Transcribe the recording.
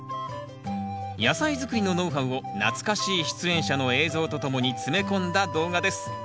野菜作りのノウハウを懐かしい出演者の映像とともに詰め込んだ動画です。